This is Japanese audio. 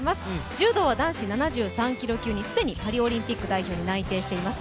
柔道は男子７３キロ級に既にパリオリンピック代表に内定しています